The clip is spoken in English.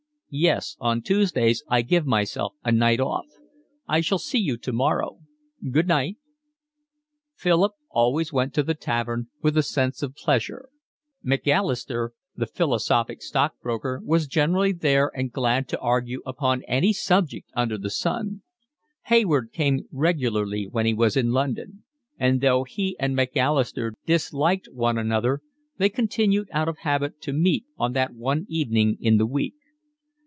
"Yes, on Tuesdays I give myself a night off. I shall see you tomorrow. Good night." Philip always went to the tavern with a sense of pleasure. Macalister, the philosophic stockbroker, was generally there and glad to argue upon any subject under the sun; Hayward came regularly when he was in London; and though he and Macalister disliked one another they continued out of habit to meet on that one evening in the week.